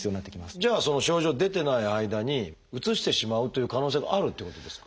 じゃあその症状出てない間にうつしてしまうという可能性があるっていうことですか？